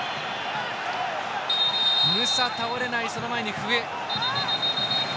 ムサ、倒れない、その前に笛。